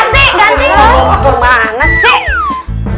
di rumah mana sih